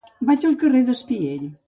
Vaig al carrer d'Espiell.